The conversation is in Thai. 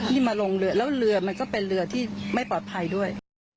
มาลงเรือแล้วเรือมันก็เป็นเรือที่ไม่ปลอดภัยด้วย